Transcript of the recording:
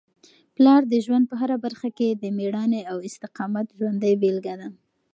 پلار د ژوند په هره برخه کي د مېړانې او استقامت ژوندۍ بېلګه ده.